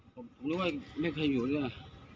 ผมรู้ว่าไม่มีใครอยู่ด้วยนะ